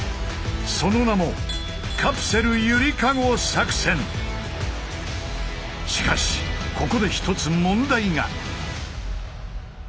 その名もしかしここで一つ問題が。